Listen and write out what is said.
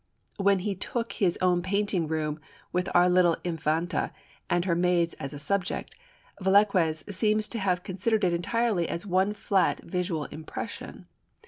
When he took his own painting room with the little Infanta and her maids as a subject, Velazquez seems to have considered it entirely as one flat visual impression.